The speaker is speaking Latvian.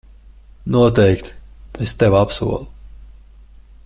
Noteikti, es tev apsolu.